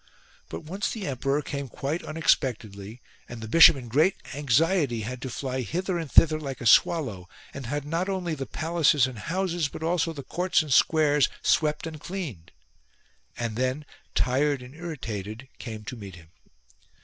But once the emperor came quite unexpectedly and the bishop in great anxiety had to fly hither and thither like a swallow, and had not only the palaces and houses but also the courts and squares swept and cleaned : and then, tired and irritated, came to meet him.